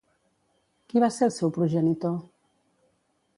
Qui va ser el seu progenitor?